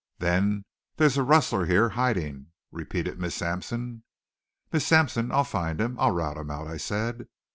"Then there's a rustler here hiding?" repeated Miss Sampson. "Miss Sampson, I'll find him. I'll rout him out," I said.